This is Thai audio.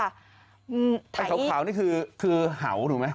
ไอ้ขาวนี่คือเห่าถูกไหม